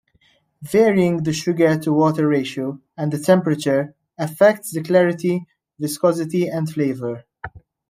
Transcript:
Varying the sugar-to-water ratio and the temperature affects the clarity, viscosity, and flavor.